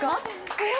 え？